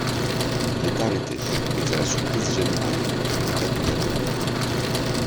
Il est arrêté mais à la surprise générale, il n'est pas condamné à mort.